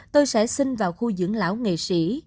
tôi sẽ sinh vào khu dưỡng lão nghệ sĩ